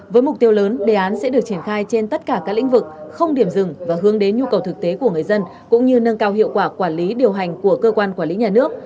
với mục tiêu lớn đề án sẽ được triển khai trên tất cả các lĩnh vực không điểm dừng và hướng đến nhu cầu thực tế của người dân cũng như nâng cao hiệu quả quản lý điều hành của cơ quan quản lý nhà nước